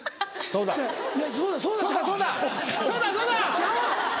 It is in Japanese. そうだそうだ！ちゃうわ！